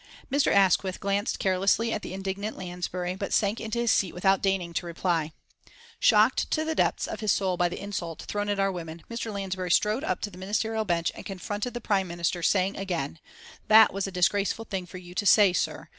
Mr. Asquith glanced carelessly at the indignant Lansbury, but sank into his seat without deigning to reply. Shocked to the depths of his soul by the insult thrown at our women, Mr. Lansbury strode up to the Ministerial bench and confronted the Prime Minister, saying again: "That was a disgraceful thing for you to say, Sir.